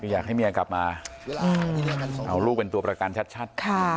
อยากให้เมียกลับมาเอาลูกเป็นตัวประกันชัด